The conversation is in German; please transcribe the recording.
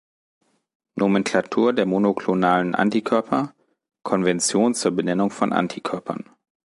Nomenklatur der monoklonalen Antikörper: Konvention zur Benennung von Antikörpern